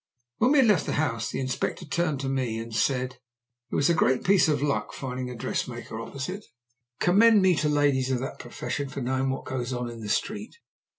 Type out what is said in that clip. When we had left the house the Inspector turned to me and said "It was a great piece of luck finding a dressmaker opposite. Commend me to ladies of that profession for knowing what goes on in the street.